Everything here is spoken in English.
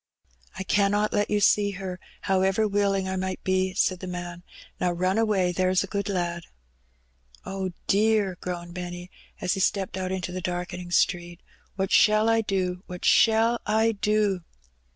"I cannot let you see her, however willing I might be," said the man. *^Now run away, there's a good lad." "Oh, dear," groaned Benny, as he stepped out into the darkening street. "What shall I do? what shall I do?"